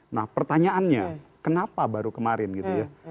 nah pertanyaannya kenapa baru kemarin gitu ya